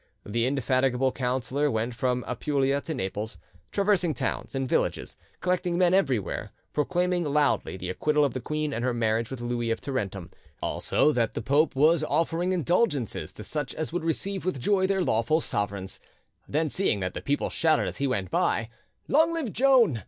The indefatigable counsellor went from Apulia to Naples, traversing towns and villages, collecting men everywhere, proclaiming loudly the acquittal of the queen and her marriage with Louis of Tarentum, also that the pope was offering indulgences to such as would receive with joy their lawful sovereigns. Then seeing that the people shouted as he went by, "Long live Joan!